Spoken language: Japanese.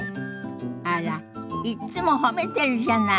あらいっつも褒めてるじゃない。